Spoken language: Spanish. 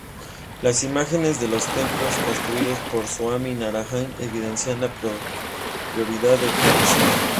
Las imágenes de los templos construidos por Suami Naraian evidencian la prioridad de Krisná.